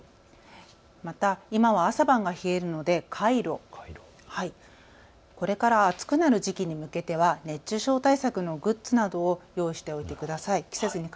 また今は朝晩が冷えるのでカイロ、これから暑くなる時期に向けては熱中症対策のグッズなどを用意しておいてください。